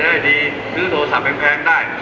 ได้ดีซื้อโทรศัพท์แพงได้